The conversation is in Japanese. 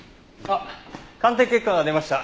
鑑定結果が出ました。